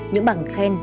những bảng khen